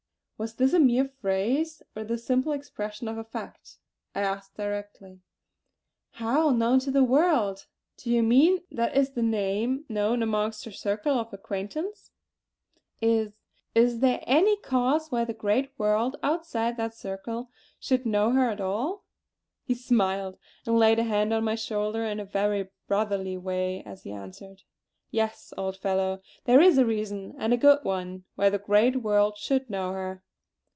Was this a mere phrase, or the simple expression of a fact! I asked directly: "How known to the world? Do you mean that is the name known amongst her circle of acquaintances? Is is there any cause why the great world outside that circle should know her at all?" He smiled and laid his hand on my shoulder in a very brotherly way as he answered: "Yes, old fellow. There is a reason, and a good one, why the great world should know her.